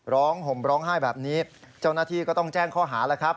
ห่มร้องไห้แบบนี้เจ้าหน้าที่ก็ต้องแจ้งข้อหาแล้วครับ